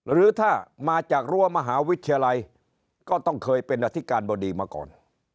หรือถ้ามาจากรั้วมหาวิทยาลัยก็ต้องเคยเป็นอธิการบดีมาก่อน